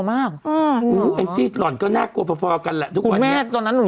ไม่อินเลยนะตอนนั้น